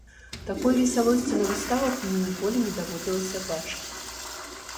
Такой весялосці на выставах мне ніколі не даводзілася бачыць.